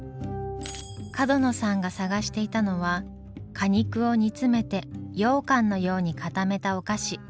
角野さんが探していたのは果肉を煮詰めてようかんのように固めたお菓子。